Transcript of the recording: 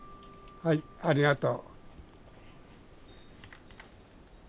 はいありがとう。